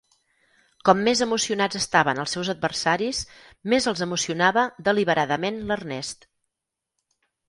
Com més emocionats estaven els seus adversaris, més els emocionava deliberadament l'Ernest.